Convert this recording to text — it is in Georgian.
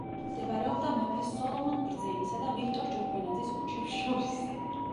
მდებარეობდა მეფე სოლომონ ბრძენისა და ვიქტორ ჯორბენაძის ქუჩებს შორის.